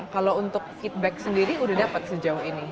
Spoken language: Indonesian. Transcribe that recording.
kalau untuk feedback sendiri udah dapat sejauh ini